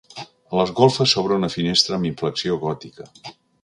A les golfes s'obre una finestra amb inflexió gòtica.